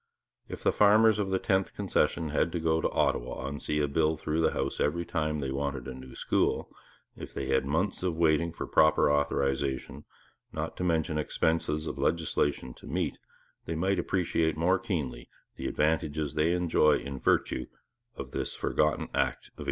If the farmers of the Tenth Concession had to go to Ottawa and see a bill through the House every time they wanted a new school, if they had months of waiting for proper authorization, not to mention expenses of legislation to meet, they might appreciate more keenly the advantages they enjoy in virtue of this forgotten Act of 1849.